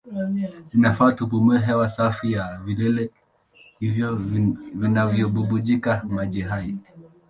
Inafaa tupumue hewa safi ya vilele hivyo vinavyobubujika maji hai.